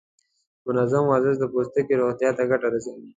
منظم ورزش د پوستکي روغتیا ته ګټه رسوي.